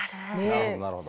なるほどなるほど。